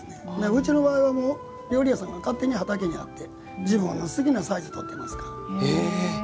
うちの場合は料理屋さんが勝手に畑に入って、自分の好きなサイズを採ってますから。